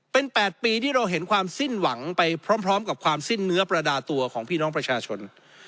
เป็น๘ปีที่เราเห็นความสิ้นหวังไปพร้อมกับความสิ้นเนื้อประดาตัวของพี่น้องประชาชน